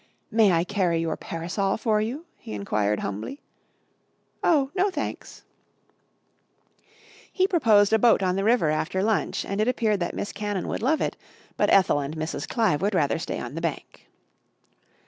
"May I carry your parasol for you?" he enquired humbly. "Oh, no, thanks." He proposed a boat on the river after lunch, and it appeared that Miss Cannon would love it, but Ethel and Mrs. Clive would rather stay on the bank.